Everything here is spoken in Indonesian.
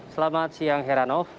selamat siang heranov